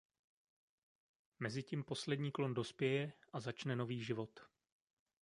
Mezitím poslední klon dospěje a začne nový život.